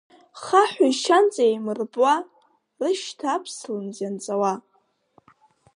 Хаҳәи-шьанҵеи еимырпуа, рышьҭа аԥслымӡ ианҵауа.